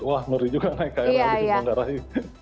wah menurut juga naik krl lagi di manggarai